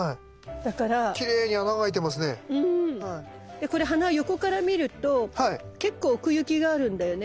でこれ花横から見ると結構奥行きがあるんだよね。